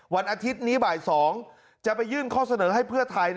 วันอาทิตย์นี้บ่าย๒จะไปยื่นข้อเสนอให้เพื่อไทย